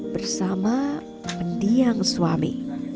bersama mendiang suami